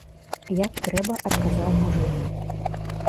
Як трэба адказаў мужык.